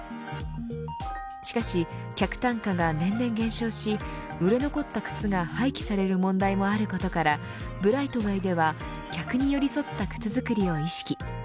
しかし、客単価が年々減少し売れ残った靴が廃棄される問題もあることからブライトウェイでは客に寄り添った靴作りを意識。